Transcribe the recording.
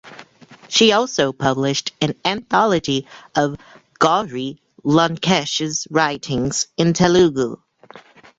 She also published an anthology of Gauri Lankesh’s writings in Telugu.